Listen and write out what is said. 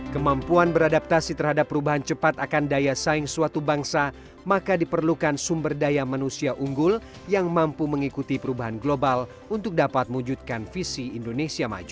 kemampuan beradaptasi terhadap perubahan cepat akan daya saing suatu bangsa maka diperlukan sumber daya manusia unggul yang mampu mengikuti perubahan global untuk dapat mewujudkan visi indonesia maju